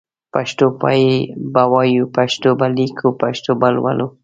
پښتو به وايو پښتو به ليکو پښتو به لولو